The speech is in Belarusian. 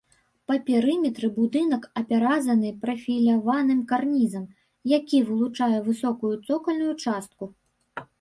Па перыметры будынак апяразаны прафіляваным карнізам, які вылучае высокую цокальную частку.